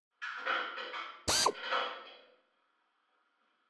Ik bin syn adres kwyt, mar ik wit dat er hjirearne wenje moat.